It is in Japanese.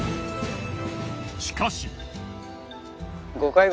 しかし。